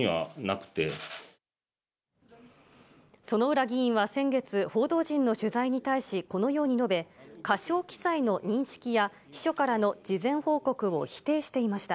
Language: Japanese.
薗浦議員は先月、報道陣の取材に対しこのように述べ、過少記載の認識や秘書からの事前報告を否定していました。